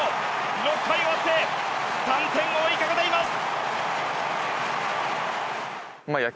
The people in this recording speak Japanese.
６回終わって３点を追いかけています。